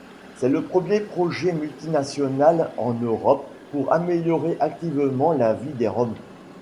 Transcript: C'est le premier projet multinational en Europe pour améliorer activement la vie des Roms.